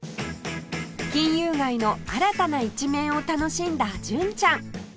金融街の新たな一面を楽しんだ純ちゃん